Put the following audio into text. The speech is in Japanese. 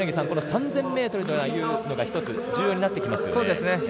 ３０００ｍというのが一つ、重要になってきますよね。